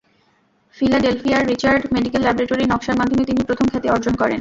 ফিলাডেলফিয়ার Richard medical laboratory নকশার মাধ্যমে তিনি প্রথম খ্যাতি অর্জন করেন।